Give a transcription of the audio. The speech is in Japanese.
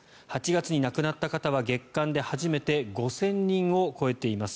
８月に亡くなった方は月間で初めて５０００人を超えています。